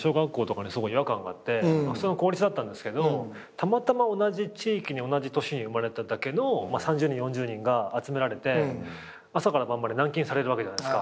たまたま同じ地域に同じ年に生まれただけの３０人４０人が集められて朝から晩まで軟禁されるわけじゃないですか。